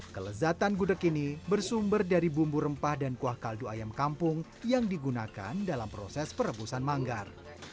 kelezatan gudeg ini bersumber dari bumbu rempah dan kuah kaldu ayam kampung yang digunakan dalam proses perebusan manggar